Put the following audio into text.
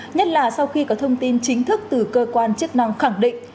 nhất là sau khi có thông tin chính thức từ cơ quan chức năng khẳng định